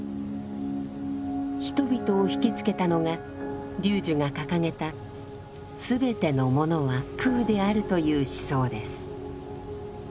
人々を惹きつけたのが龍樹が掲げた「すべてのものは空である」という思想です。